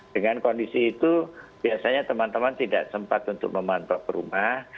dengan kondisi itu biasanya teman teman tidak sempat untuk memantau ke rumah